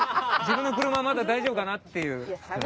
「自分の車まだ大丈夫かな？」っていう。